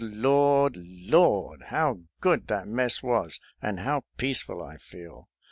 Lord! Lord! how good that mess' was, and how peaceful I feel!